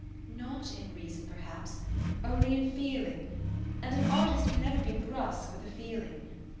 "" Not in reason perhaps, only in feeling ; and an artist can never be brusque with a feeling.